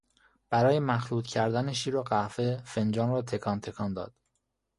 برای مخلوط کردن شیر و قهوه فنجان را تکان تکان داد.